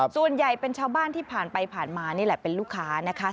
ส่วนใหญ่เป็นชาวบ้านที่ผ่านไปผ่านมานี่แหละเป็นลูกค้านะคะ